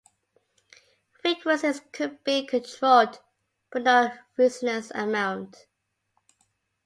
Frequencies could be controlled but not resonance amount.